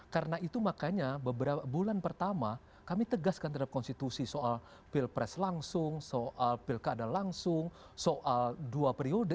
karena itu makanya beberapa bulan pertama kami tegaskan terhadap konstitusi soal pil pres langsung soal pil keadaan langsung soal dua periode